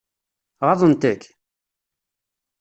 Ɣaḍent-k?